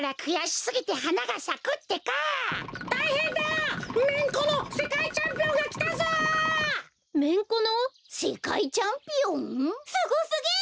すごすぎる！